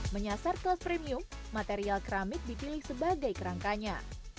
menyasar kelas premium material keramik dipilih sebagai kerangkanya